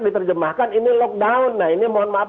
diterjemahkan ini lockdown nah ini mohon maaf